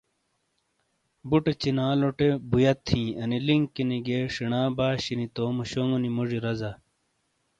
بُٹے چِینالوٹے بُویت ہِیں، انی لِنکینی (Link) گِئیے ݜِیݨا باشِینی تومو شونگو نی موڙی رزا۔